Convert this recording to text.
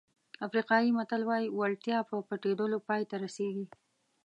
افریقایي متل وایي وړتیا په پټېدلو پای ته رسېږي.